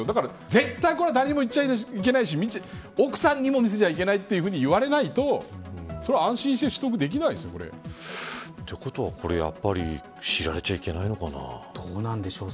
絶対これは誰にも言っちゃいけないし奥さんにも見せちゃいけないと言われないとそれは安心して取得できないですよ。ということは、これやっぱり知られちゃいけないのかな。どうなんでしょう。